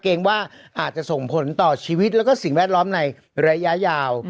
เกรงว่าอาจจะส่งผลต่อชีวิตแล้วก็สิ่งแวดล้อมในระยะยาว